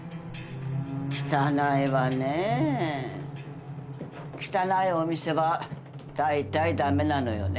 汚いわねー汚いお店は大体だめなのよね。